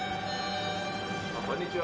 こんにちは。